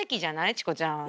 チコちゃん。